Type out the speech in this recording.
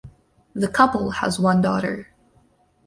The couple has one daughter.